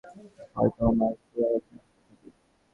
এই জাতীয় ভয়াবহ অভিজ্ঞতা যখন হয়, তখন মানুষ খুব কনফিউজড অবস্থায় থাকে।